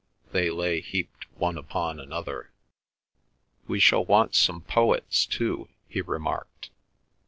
They lay heaped one upon another. "We shall want some poets too," he remarked.